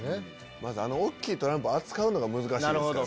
まずあの大きいトランプ扱うのが難しいですから。